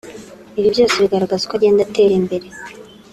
Ibi byose bigaragaza uko agenda atera imbere